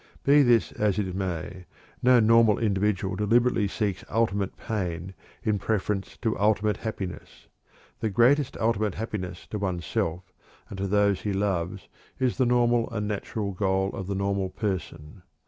Be this as it may, no normal individual deliberately seeks ultimate pain in preference to ultimate happiness; the greatest ultimate happiness to one's self and to those he loves is the normal and natural goal of the normal person.